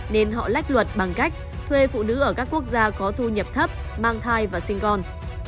nên họ lách luật bằng cách thuê phụ nữ ở các quốc gia có thu nhập thấp mang thai và sinh con